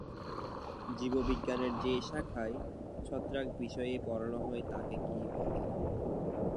জীববিজ্ঞানের যে শাখায় ছত্রাক বিষয়ে পড়ানো হয় তাকে কী বলে?